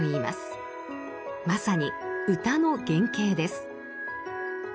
まさに「歌」の原型です。